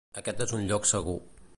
Aquest és un lloc segur.